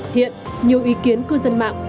hiện nhiều ý kiến cư dân mạng